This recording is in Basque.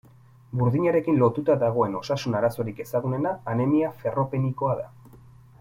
Burdinarekin lotuta dagoen osasun arazorik ezagunena anemia ferropenikoa da.